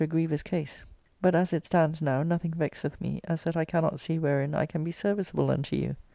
77 grievous case. But as it stands now, nothing vexeth me as that I cannot see wherein I can be serviceable unto you."